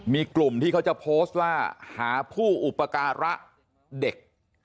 มีกลุ่มที่เขาจะโพสต์ว่าหาผู้อุปการะเด็ก